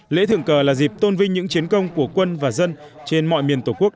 lễ thượng cờ là dịp tôn vinh những chiến công của quân và dân trên mọi miền tổ quốc